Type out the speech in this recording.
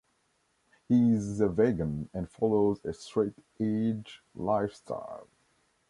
He is a vegan and follows a straight edge lifestyle.